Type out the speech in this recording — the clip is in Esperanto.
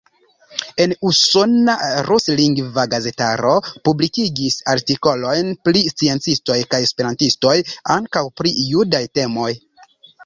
En usona ruslingva gazetaro publikigis artikolojn pri sciencistoj kaj esperantistoj, ankaŭ pri judaj temoj.